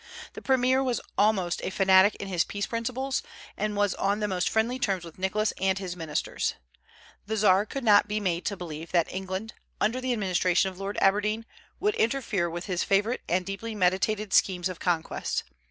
The premier was almost a fanatic in his peace principles, and was on the most friendly terms with Nicholas and his ministers. The Czar could not be made to believe that England, under the administration of Lord Aberdeen, would interfere with his favorite and deeply meditated schemes of conquest.